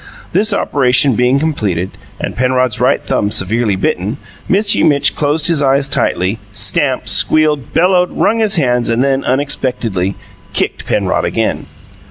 This operation being completed, and Penrod's right thumb severely bitten, Mitchy Mitch closed his eyes tightly, stamped, squealed, bellowed, wrung his hands, and then, unexpectedly, kicked Penrod again.